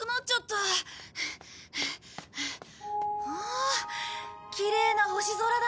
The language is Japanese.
わあきれいな星空だ。